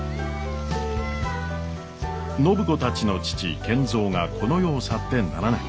暢子たちの父賢三がこの世を去って７年。